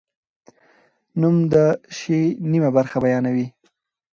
نوم د شي نیمه برخه بیانوي.